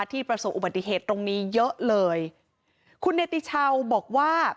ประสบอุบัติเหตุตรงนี้เยอะเลยคุณเนติชาวบอกว่า